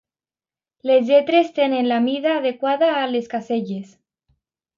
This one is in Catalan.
Les lletres tenen la mida adequada a les caselles.